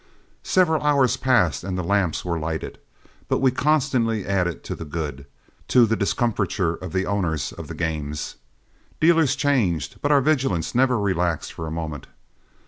Several hours passed and the lamps were lighted, but we constantly added to the good to the discomfiture of the owners of the games. Dealers changed, but our vigilance never relaxed for a moment.